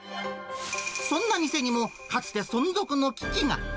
そんな店にも、かつて存続の危機